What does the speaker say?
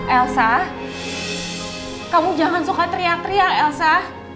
elsa kamu jangan suka teriak teriak elsa